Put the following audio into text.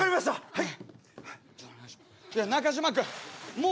はい。